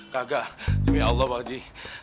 gagah demi allah pak haji